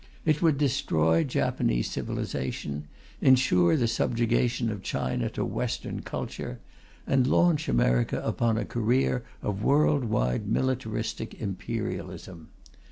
It would destroy Japanese civilization, ensure the subjugation of China to Western culture, and launch America upon a career of world wide militaristic imperialism.